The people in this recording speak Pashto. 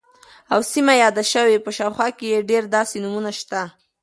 او سیمه یاده شوې، په شاوخوا کې یې ډیر داسې نومونه شته،